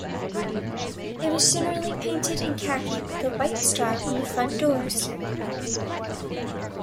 It was generally painted in khaki, with a white star on the front doors.